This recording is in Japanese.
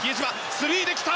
スリーで来た！